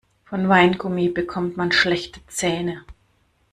Von Weingummi bekommt man schlechte Zähne.